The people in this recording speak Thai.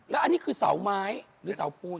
แล้วอันนี้คือเสาไม้หรือเสาปูน